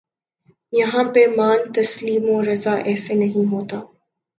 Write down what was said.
یہاں پیمان تسلیم و رضا ایسے نہیں ہوتا